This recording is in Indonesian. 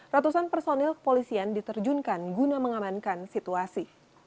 ratusan personil kepolisian diterjunkan guna mengamankan situasi